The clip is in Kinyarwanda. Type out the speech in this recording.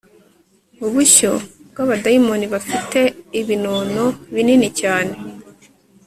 ubushyo bw'abadayimoni bafite ibinono binini cyane